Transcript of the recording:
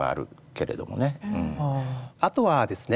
あとはですね